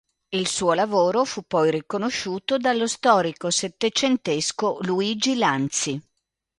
Il suo lavoro fu poi riconosciuto dallo storico settecentesco Luigi Lanzi.